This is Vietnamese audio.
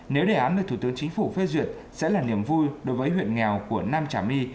nếu đề án được thủ tướng chính phủ phê duyệt sẽ là niềm vui đối với huyện nghèo của nam trà my